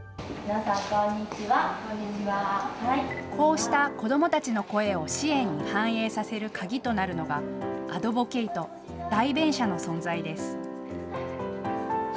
こうした子どもたちの声を支援に反映させる鍵となるのが、アドボケイト・代弁者の存在です。